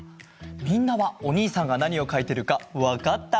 みんなはおにいさんがなにをかいてるかわかった？